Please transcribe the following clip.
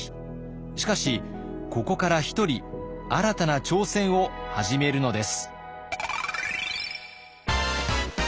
しかしここから一人新たな挑戦を始めるのです。